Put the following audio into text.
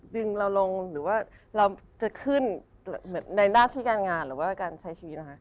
ดึงเราลงหรือเราจะขึ้นในหน้าที่การงาดหรือการชายชีวิต